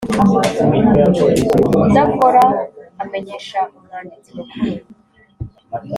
udakora amenyesha umwanditsi Mukuru